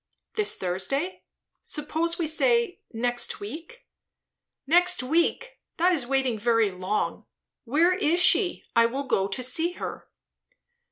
"This is Thursday? Suppose we say, next week?" "Next week! That is waiting very long. Where is she? I will go to see her."